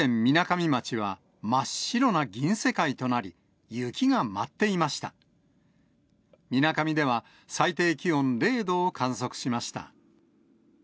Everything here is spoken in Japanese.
みなかみでは、最低気温０度を観測しました。